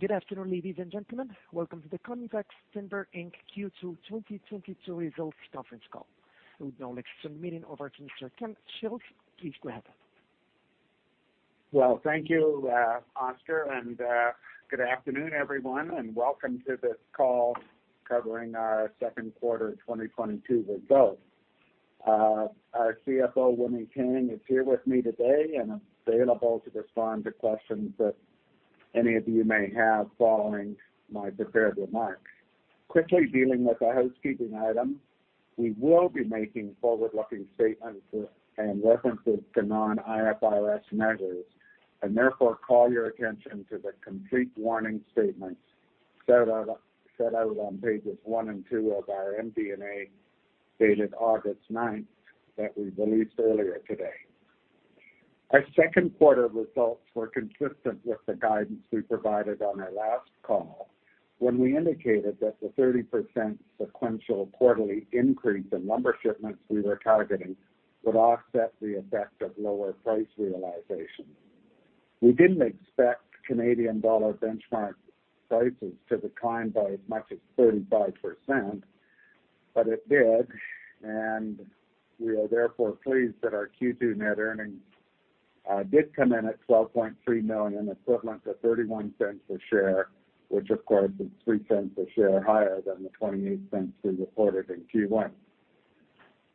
Good afternoon, ladies and gentlemen. Welcome to the Conifex Timber Inc. Q2 2022 Results Conference Call. I would now like to turn the meeting over to Mr. Kenneth Shields. Please go ahead. Well, thank you, Oscar, and good afternoon, everyone, and welcome to this call covering our second quarter 2022 results. Our CFO, Winny Tang, is here with me today and available to respond to questions that any of you may have following my prepared remarks. Quickly dealing with a housekeeping item, we will be making forward-looking statements and references to non-IFRS measures and therefore call your attention to the complete warning statements set out on pages one and two of our MD&A dated August 9th that we released earlier today. Our second quarter results were consistent with the guidance we provided on our last call when we indicated that the 30% sequential quarterly increase in lumber shipments we were targeting would offset the effect of lower price realization. We didn't expect Canadian dollar benchmark prices to decline by as much as 35%, but it did, and we are therefore pleased that our Q2 net earnings did come in at 12.3 million, equivalent to 0.31 per share, which of course is 0.03 per share higher than the 0.28 we reported in Q1.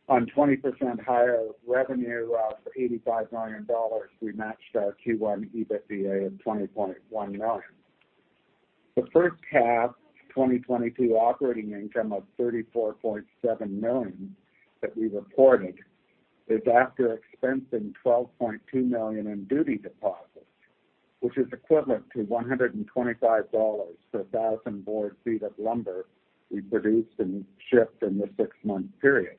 On 20% higher revenue of 85 million dollars, we matched our Q1 EBITDA of 20.1 million. The first half 2022 operating income of 34.7 million that we reported is after expensing 12.2 million in duty deposits, which is equivalent to 125 dollars per thousand board feet of lumber we produced and shipped in the six-month period.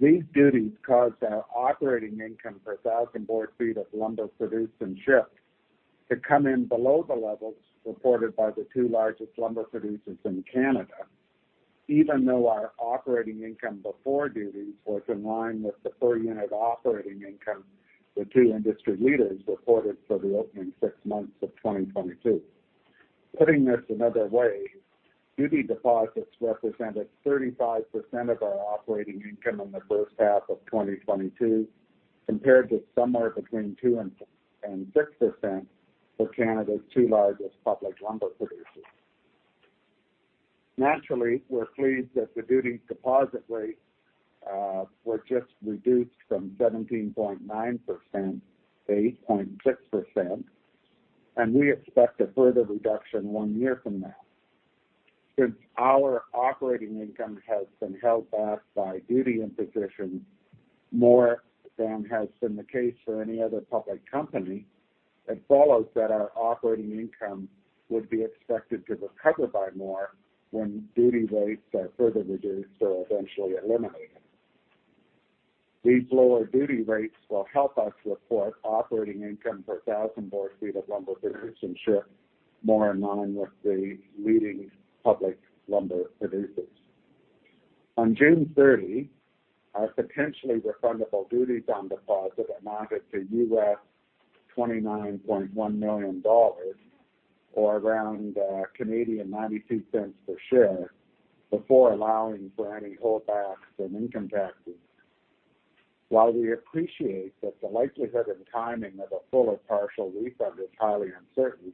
These duties caused our operating income per thousand board feet of lumber produced and shipped to come in below the levels reported by the two largest lumber producers in Canada, even though our operating income before duties was in line with the per unit operating income the two industry leaders reported for the opening six months of 2022. Putting this another way, duty deposits represented 35% of our operating income in the first half of 2022, compared to somewhere between 2% and 6% for Canada's two largest public lumber producers. Naturally, we're pleased that the duty deposit rate was just reduced from 17.9%-8.6%, and we expect a further reduction one year from now. Since our operating income has been held back by duty imposition more than has been the case for any other public company, it follows that our operating income would be expected to recover by more when duty rates are further reduced or eventually eliminated. These lower duty rates will help us report operating income per thousand board feet of lumber produced and shipped more in line with the leading public lumber producers. On June 30, our potentially refundable duties on deposit amounted to $29.1 million, or around 92 cents per share, before allowing for any holdbacks and income taxes. While we appreciate that the likelihood and timing of a full or partial refund is highly uncertain,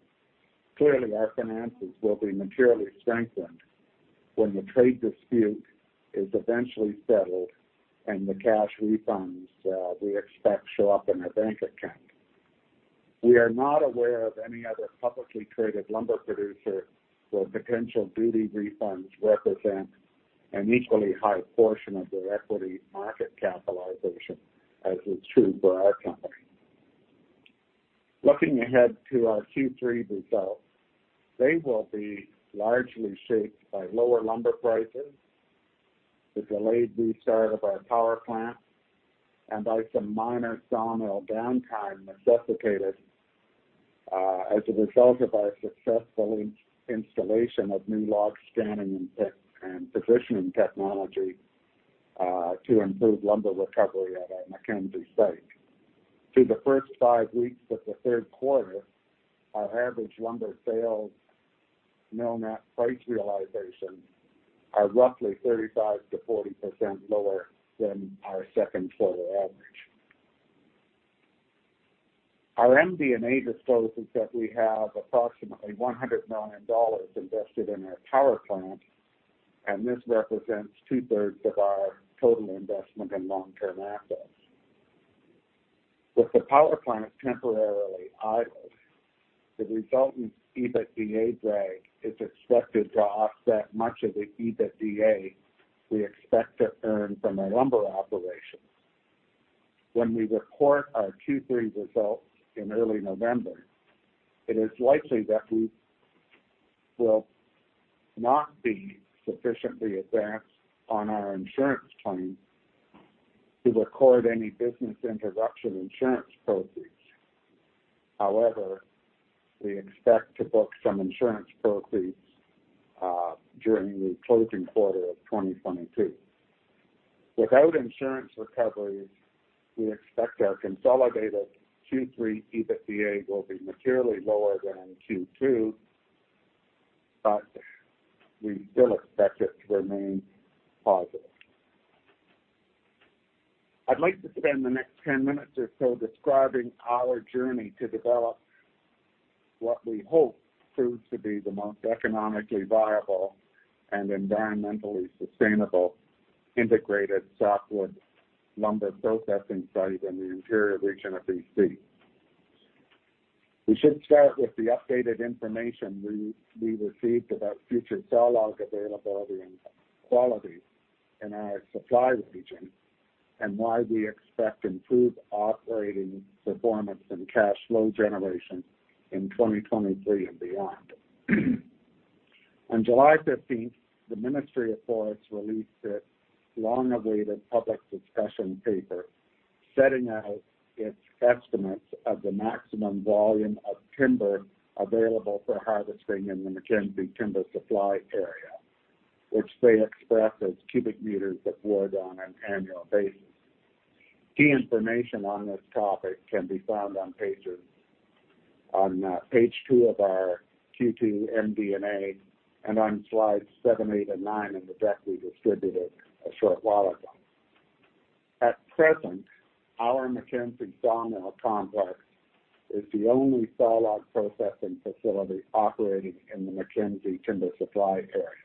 clearly our finances will be materially strengthened when the trade dispute is eventually settled and the cash refunds we expect show up in our bank account. We are not aware of any other publicly traded lumber producer where potential duty refunds represent an equally high portion of their equity market capitalization, as is true for our company. Looking ahead to our Q3 results, they will be largely shaped by lower lumber prices, the delayed restart of our power plant, and by some minor sawmill downtime necessitated as a result of our successful installation of new log scanning and positioning technology to improve lumber recovery at our Mackenzie site. Through the first five weeks of the third quarter, our average lumber sales mill net price realization are roughly 35%-40% lower than our second quarter average. Our MD&A discloses that we have approximately 100 million dollars invested in our power plant, and this represents 2/3 of our total investment in long-term assets. With the power plant temporarily idled, the resultant EBITDA drag is expected to offset much of the EBITDA we expect to earn from our lumber operations. When we report our Q3 results in early November, it is likely that we will not be sufficiently advanced on our insurance claim to record any business interruption insurance proceeds. However, we expect to book some insurance proceeds during the closing quarter of 2022. Without insurance recovery, we expect our consolidated Q3 EBITDA will be materially lower than Q2, but we still expect it to remain positive. I'd like to spend the next 10 minutes or so describing our journey to develop what we hope proves to be the most economically viable and environmentally sustainable integrated softwood lumber processing site in the interior region of BC. We should start with the updated information we received about future sawlog availability and quality in our supply region and why we expect improved operating performance and cash flow generation in 2023 and beyond. On July 15th, the Ministry of Forests released its long-awaited public discussion paper, setting out its estimates of the maximum volume of timber available for harvesting in the Mackenzie Timber Supply Area, which they express as cubic meters of wood on an annual basis. Key information on this topic can be found on page two of our Q2 MD&A and on slides seven, eight, and nine in the deck we distributed a short while ago. At present, our Mackenzie sawmill complex is the only sawlog processing facility operating in the Mackenzie Timber Supply Area.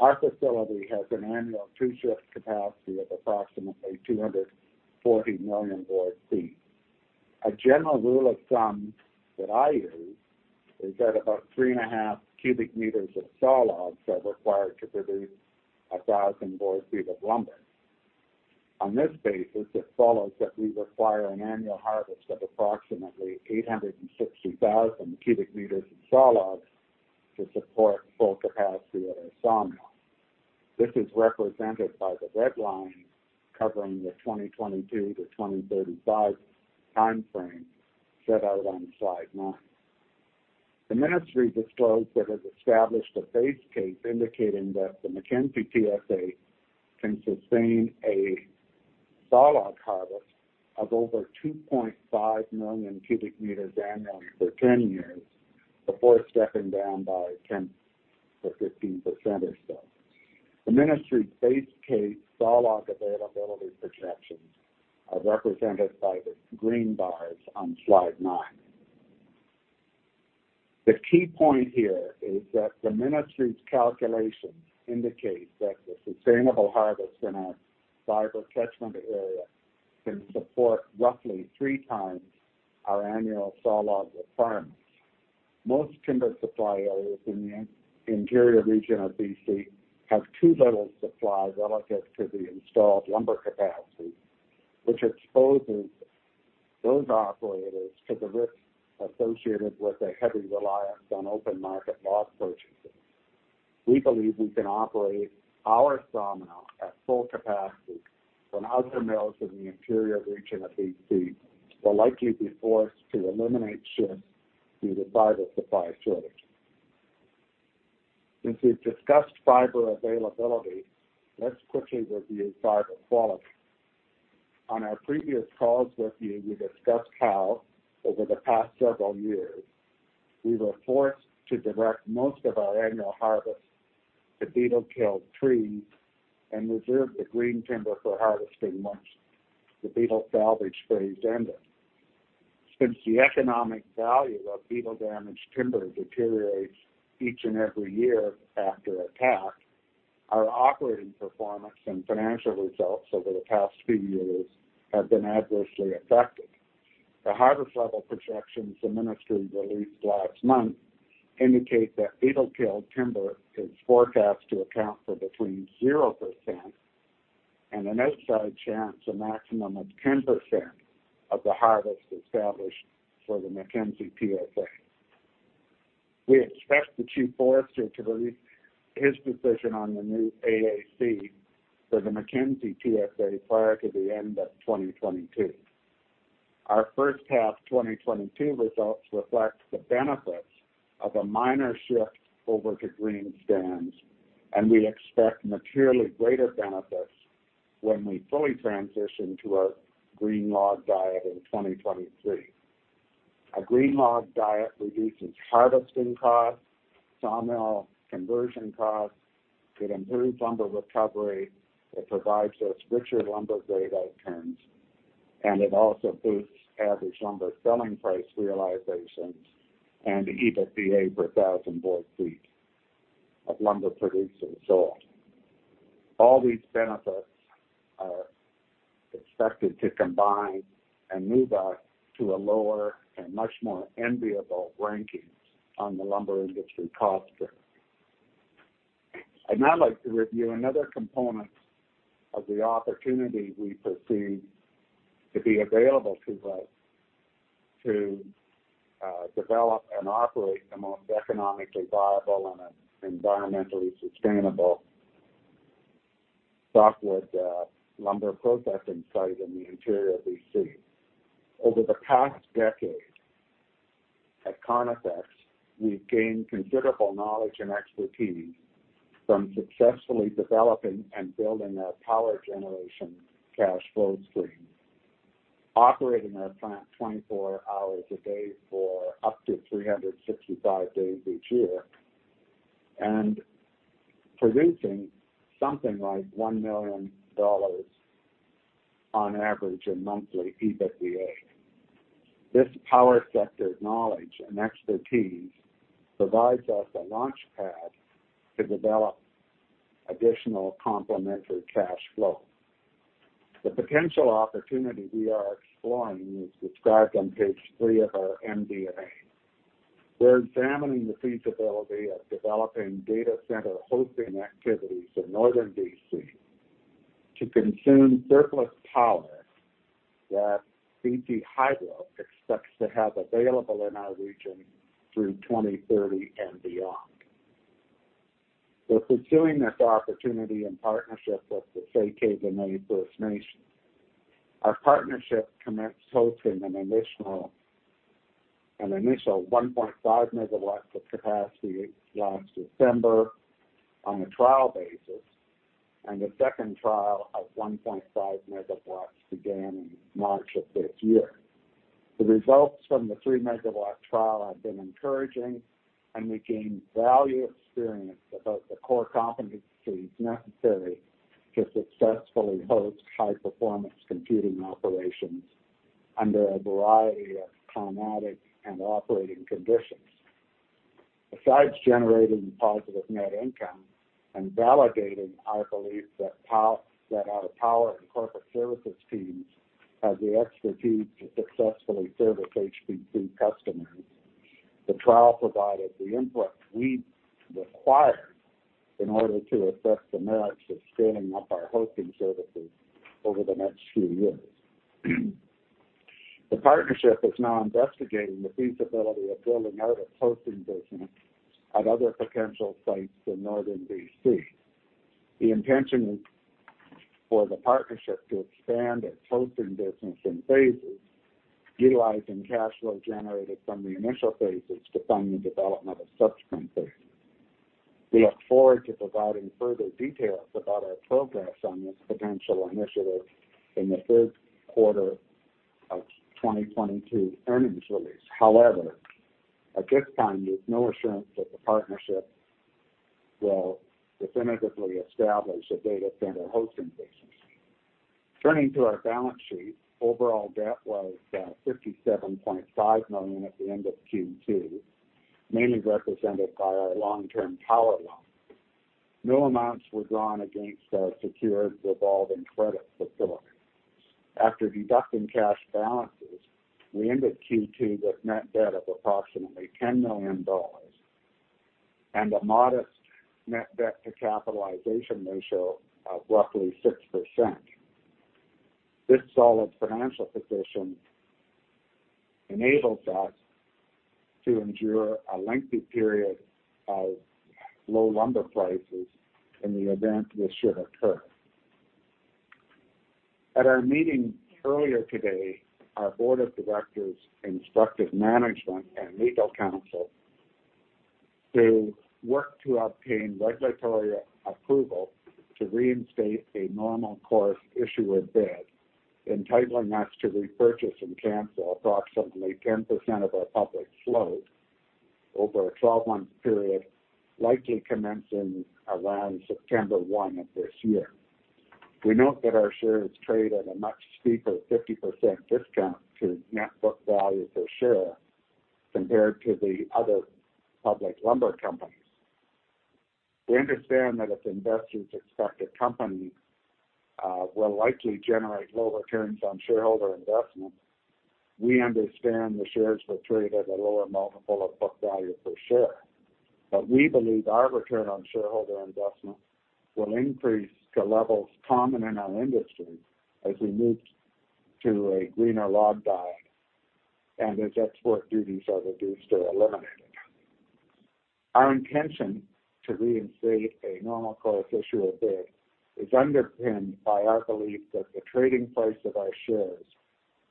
Our facility has an annual two-shift capacity of approximately 240 million board feet. A general rule of thumb that I use is that about 3.5 cubic meters of sawlogs are required to produce 1,000 board feet of lumber. On this basis, it follows that we require an annual harvest of approximately 860,000 cubic meters of sawlogs to support full capacity at our sawmill. This is represented by the red line covering the 2022-2035 timeframe set out on slide nine. The ministry disclosed it has established a base case indicating that the Mackenzie TSA can sustain a sawlog harvest of over 2.5 million cubic meters annually for 10 years before stepping down by 10%-15% or so. The ministry's base case sawlog availability projections are represented by the green bars on slide nine. The key point here is that the ministry's calculations indicate that the sustainable harvest in our fiber catchment area can support roughly three times our annual sawlog requirements. Most timber supply areas in the interior region of BC have too little supply relative to the installed lumber capacity, which exposes those operators to the risks associated with a heavy reliance on open market log purchases. We believe we can operate our sawmill at full capacity when other mills in the interior region of BC will likely be forced to eliminate shifts due to fiber supply shortage. Since we've discussed fiber availability, let's quickly review fiber quality. On our previous calls with you, we discussed how over the past several years, we were forced to direct most of our annual harvest to beetle-killed trees and reserve the green timber for harvesting once the beetle salvage phase ended. Since the economic value of beetle-damaged timber deteriorates each and every year after attack, our operating performance and financial results over the past few years have been adversely affected. The harvest level projections the ministry released last month indicate that beetle-killed timber is forecast to account for between 0% and an outside chance a maximum of 10% of the harvest established for the Mackenzie TSA. We expect the chief forester to release his decision on the new AAC for the Mackenzie TSA prior to the end of 2022. Our first half 2022 results reflect the benefits of a minor shift over to green stands, and we expect materially greater benefits when we fully transition to a green log diet in 2023. A green log diet reduces harvesting costs, sawmill conversion costs, it improves lumber recovery, it provides us richer lumber grade outcomes, and it also boosts average lumber selling price realizations and EBITDA per thousand board feet of lumber produced and sold. All these benefits are expected to combine and move us to a lower and much more enviable ranking on the lumber industry cost curve. I'd now like to review another component of the opportunity we perceive to be available to us to develop and operate the most economically viable and environmentally sustainable softwood lumber processing site in the interior BC. Over the past decade. At Conifex, we've gained considerable knowledge and expertise from successfully developing and building our power generation cash flow stream, operating our plant 24 hours a day for up to 365 days each year, and producing something like 1 million dollars on average in monthly EBITDA. This power sector knowledge and expertise provides us a launch pad to develop additional complementary cash flow. The potential opportunity we are exploring is described on page three of our MD&A. We're examining the feasibility of developing data center hosting activities in northern BC to consume surplus power that BC Hydro expects to have available in our region through 2030 and beyond. We're pursuing this opportunity in partnership with the Tsay Keh Dene First Nation. Our partnership commenced hosting an initial 1.5 MW of capacity last December on a trial basis, and a second trial of 1.5 MW began in March of this year. The results from the 3 MW trial have been encouraging, and we gained valuable experience about the core competencies necessary to successfully host high-performance computing operations under a variety of climatic and operating conditions. Besides generating positive net income and validating our belief that our power and corporate services teams have the expertise to successfully service HPC customers, the trial provided the input we required in order to assess the merits of scaling up our hosting services over the next few years. The partnership is now investigating the feasibility of building out a hosting business at other potential sites in northern BC. The intention is for the partnership to expand its hosting business in phases, utilizing cash flow generated from the initial phases to fund the development of subsequent phases. We look forward to providing further details about our progress on this potential initiative in the third quarter of 2022 earnings release. However, at this time, there's no assurance that the partnership will definitively establish a data center hosting business. Turning to our balance sheet, overall debt was 57.5 million at the end of Q2, mainly represented by our long-term power loan. No amounts were drawn against our secured revolving credit facility. After deducting cash balances, we ended Q2 with net debt of approximately 10 million dollars and a modest net debt to capitalization ratio of roughly 6%.This solid financial position enables us to endure a lengthy period of low lumber prices in the event this should occur. At our meeting earlier today, our board of directors instructed management and legal counsel to work to obtain regulatory approval to reinstate a normal course issuer bid, entitling us to repurchase and cancel approximately 10% of our public float over a 12-month period, likely commencing around September 1 of this year. We note that our shares trade at a much steeper 50% discount to net book value per share compared to the other public lumber companies. We understand that if investors expect a company, will likely generate low returns on shareholder investment, we understand the shares will trade at a lower multiple of book value per share. We believe our return on shareholder investment will increase to levels common in our industry as we move to a greener log diet and as export duties are reduced or eliminated. Our intention to reinstate a normal course issuer bid is underpinned by our belief that the trading price of our shares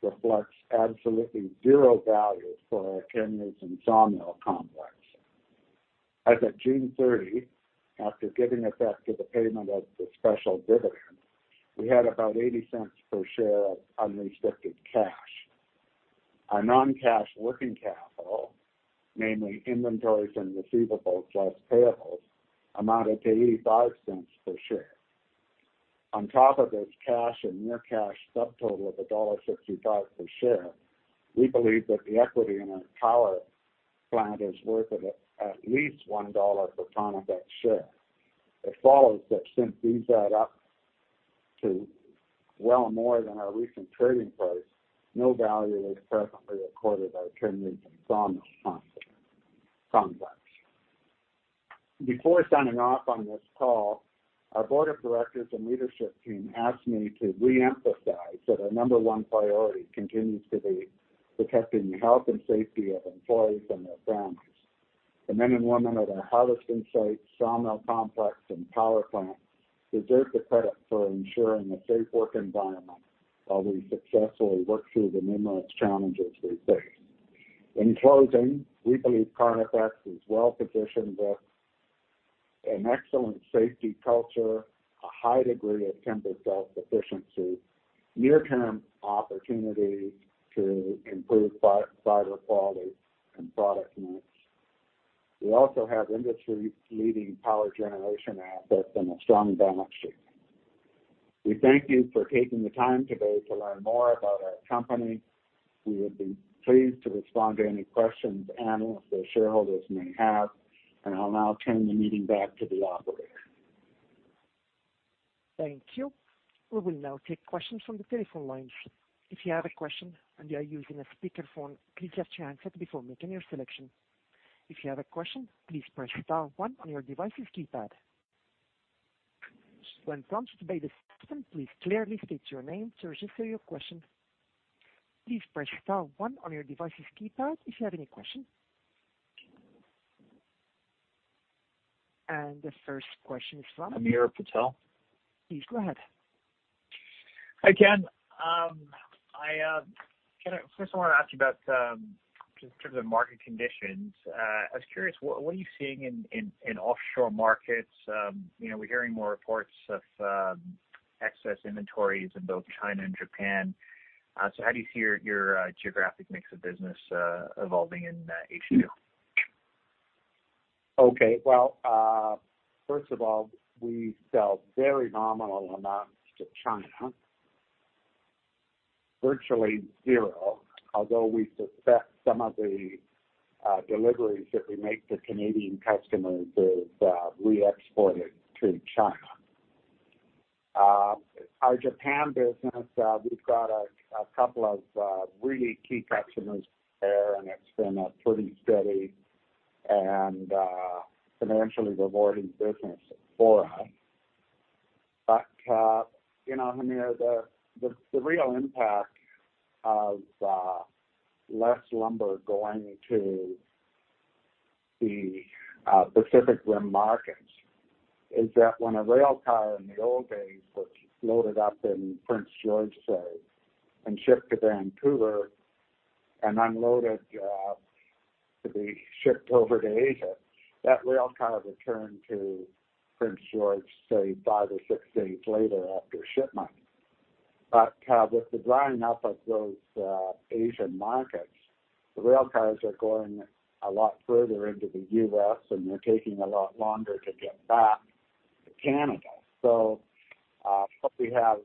reflects absolutely zero value for our Mackenzie sawmill complex. As of June 30, after giving effect to the payment of the special dividend, we had about 0.80 per share of unrestricted cash. Our non-cash working capital, namely inventories and receivables less payables, amounted to 0.85 per share. On top of this cash and near-cash subtotal of dollar 1.65 per share, we believe that the equity in our power plant is worth at least 1 dollar per share. It follows that since these add up to well more than our recent trading price, no value is presently accorded our Mackenzie sawmill complex. Before signing off on this call, our board of directors and leadership team asked me to reemphasize that our number one priority continues to be protecting the health and safety of employees and their families. The men and women at our harvesting sites, sawmill complex and power plant deserve the credit for ensuring a safe work environment while we successfully work through the numerous challenges we face. In closing, we believe Conifex is well positioned with an excellent safety culture, a high degree of timber self-sufficiency, near-term opportunity to improve fiber quality and product mix. We also have industry-leading power generation assets and a strong balance sheet. We thank you for taking the time today to learn more about our company. We would be pleased to respond to any questions analysts or shareholders may have, and I'll now turn the meeting back to the operator. Thank you. We will now take questions from the telephone lines. If you have a question and you are using a speakerphone, please mute your handset before making your selection. If you have a question, please press star one on your device's keypad. When prompted by the system, please clearly state your name to register your question. Please press star one on your device's keypad if you have any questions. The first question is from- Hamir Patel. Please go ahead. Hi, Ken. First, I wanna ask you about just in terms of market conditions. I was curious, what are you seeing in offshore markets? You know, we're hearing more reports of excess inventories in both China and Japan. How do you see your geographic mix of business evolving in H2? Okay. Well, first of all, we sell very nominal amounts to China, virtually zero, although we suspect some of the deliveries that we make to Canadian customers is re-exported to China. Our Japan business, we've got a couple of really key customers there, and it's been a pretty steady and financially rewarding business for us. You know, Hamir, the real impact of less lumber going to the Pacific Rim markets is that when a rail car in the old days was loaded up in Prince George, say, and shipped to Vancouver and unloaded to be shipped over to Asia, that rail car returned to Prince George, say, five or six days later after shipment. With the drying up of those Asian markets, the rail cars are going a lot further into the U.S., and they're taking a lot longer to get back to Canada. What we have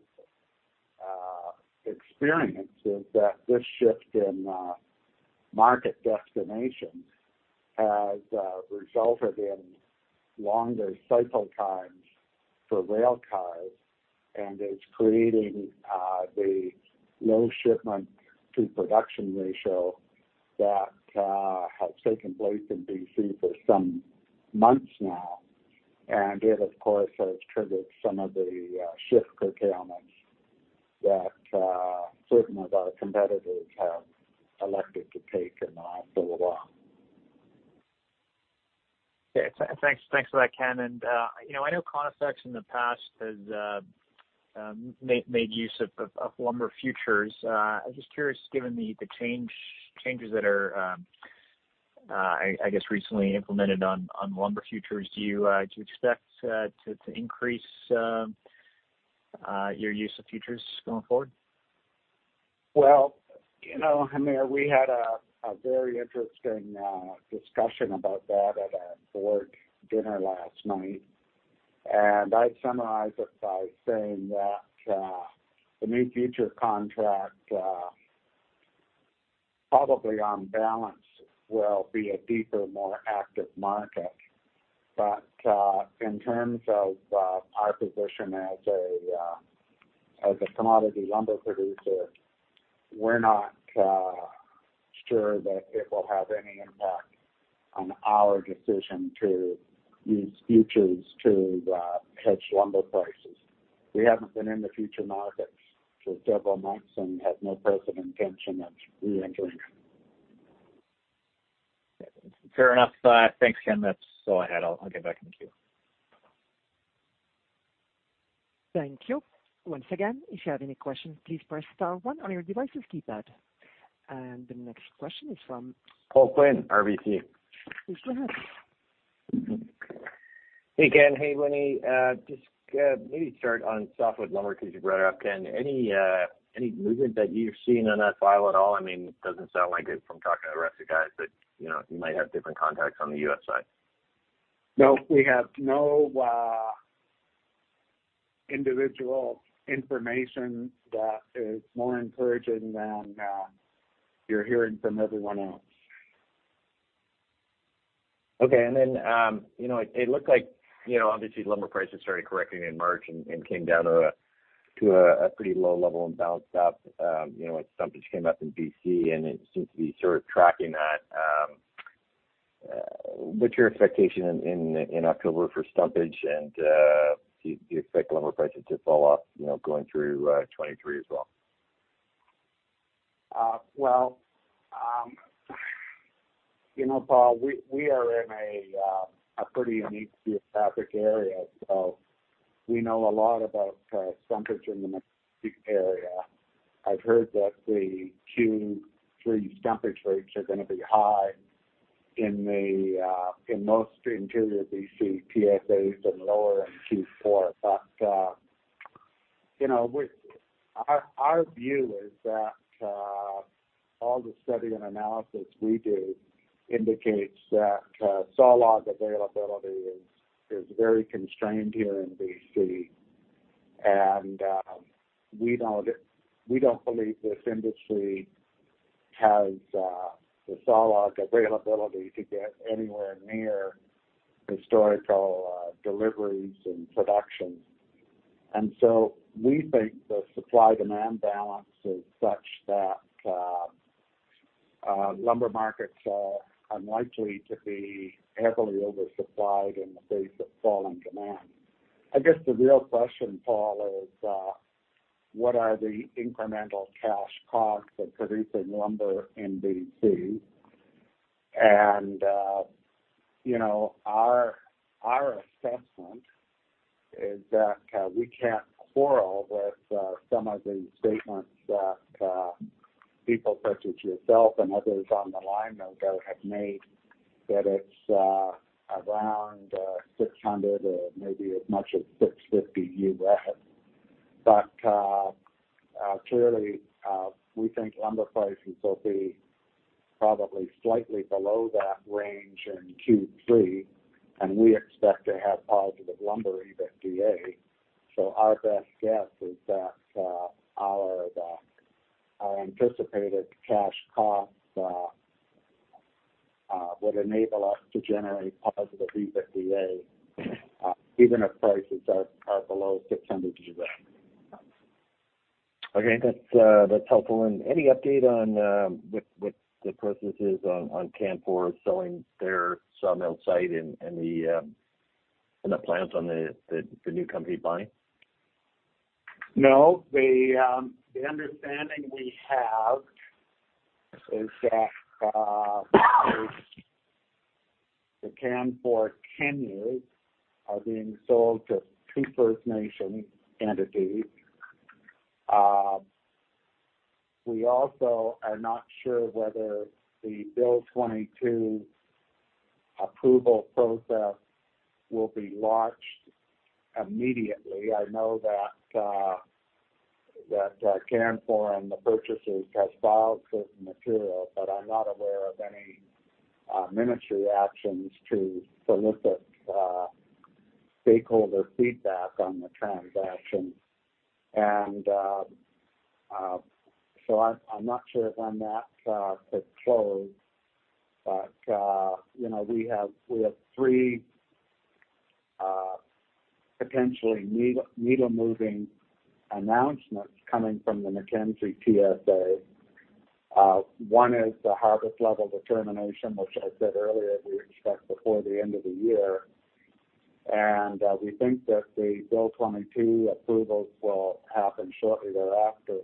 experienced is that this shift in market destinations has resulted in longer cycle times for rail cars, and it's creating the low shipment-to-production ratio that has taken place in BC for some months now. It, of course, has triggered some of the shift curtailments that certain of our competitors have elected to take in Bella Coola. Yeah. Thanks, thanks for that, Ken. You know, I know Conifex in the past has made use of lumber futures. I'm just curious, given the changes that are, I guess, recently implemented on lumber futures, do you expect to increase your use of futures going forward? Well, you know, Hamir, we had a very interesting discussion about that at our board dinner last night. I'd summarize it by saying that the new futures contract probably on balance will be a deeper, more active market. In terms of our position as a commodity lumber producer, we're not sure that it will have any impact on our decision to use futures to hedge lumber prices. We haven't been in the futures markets for several months and have no present intention of reentering them. Fair enough. Thanks, Ken. That's all I had. I'll get back in the queue. Thank you. Once again, if you have any questions, please press star one on your device's keypad. The next question is from. Paul Quinn, RBC. Please go ahead. Hey, Ken. Hey, Winny. Just maybe start on softwood lumber 'cause you brought it up, Ken. Any movement that you're seeing on that file at all? I mean, it doesn't sound like it from talking to the rest of the guys, but you know, you might have different contacts on the US side. No. We have no individual information that is more encouraging than you're hearing from everyone else. Okay. You know, it looked like, you know, obviously lumber prices started correcting in March and came down to a pretty low level and bounced up, you know, as stumpage came up in BC, and it seems to be sort of tracking that. What's your expectation in October for stumpage? Do you expect lumber prices to fall off, you know, going through 2023 as well? Well, you know, Paul, we are in a pretty unique geographic area, so we know a lot about stumpage in the Mackenzie area. I've heard that the Q3 stumpage rates are gonna be high in most Interior BC TSAs and lower in Q4. You know, our view is that all the study and analysis we do indicates that sawlog availability is very constrained here in BC. We don't believe this industry has the sawlog availability to get anywhere near historical deliveries and production. We think the supply-demand balance is such that lumber markets are unlikely to be heavily oversupplied in the face of falling demand. I guess the real question, Paul, is what are the incremental cash costs of producing lumber in BC? Our assessment is that we can't quarrel with some of the statements that people such as yourself and others on the line who have made, that it's around $600 or maybe as much as $650. Clearly, we think lumber prices will be probably slightly below that range in Q3, and we expect to have positive lumber EBITDA. Our best guess is that our anticipated cash costs would enable us to generate positive EBITDA, even if prices are below $600. Okay. That's helpful. Any update on what the process is on Canfor selling their sawmill site and the plans on the new company buying? No. The understanding we have is that the Canfor tenures are being sold to three First Nations entities. We also are not sure whether the Bill 22 approval process will be launched immediately. I know that Canfor and the purchasers has filed certain material, but I'm not aware of any ministry actions to solicit stakeholder feedback on the transaction. I'm not sure when that could close. You know, we have three potentially needle moving announcements coming from the Mackenzie TSA. One is the harvest level determination, which I said earlier we expect before the end of the year. We think that the Bill 22 approvals will happen shortly thereafter.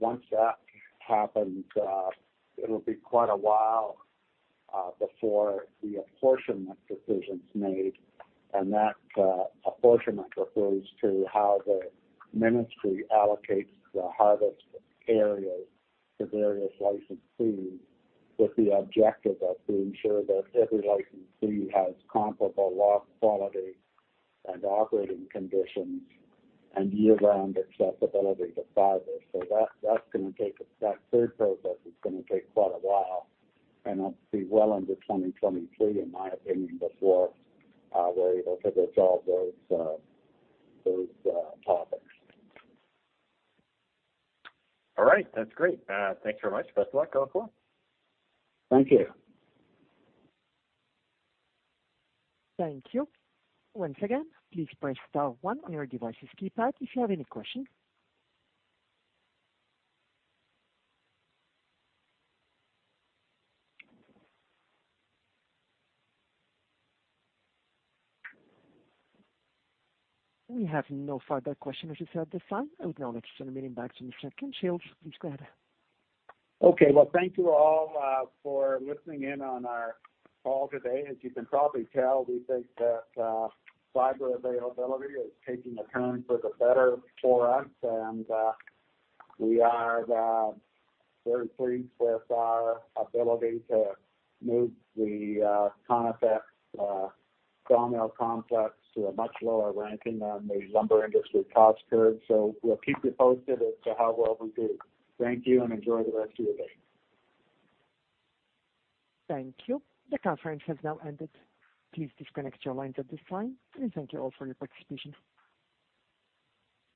Once that happens, it'll be quite a while before the apportionment decision's made, and that apportionment refers to how the ministry allocates the harvest areas to various licensees with the objective of ensuring that every licensee has comparable log quality and operating conditions and year-round accessibility to fiber. That third process is gonna take quite a while, and it'll be well into 2023, in my opinion, before we're able to resolve those topics. All right. That's great. Thanks very much. Best of luck going forward. Thank you. Thank you. Once again, please press star one on your device's keypad if you have any questions. We have no further questions as of this time. I would now like to turn the meeting back to Mr. Ken Shields. Please go ahead. Okay. Well, thank you all for listening in on our call today. As you can probably tell, we think that fiber availability is taking a turn for the better for us, and we are very pleased with our ability to move the Conifex sawmill complex to a much lower ranking on the lumber industry cost curve. We'll keep you posted as to how well we do. Thank you, and enjoy the rest of your day. Thank you. The conference has now ended. Please disconnect your lines at this time, and thank you all for your participation.